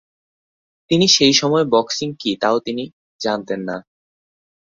তিনি সেই সময়ে বক্সিং কী তাও তিনি জানতেন না।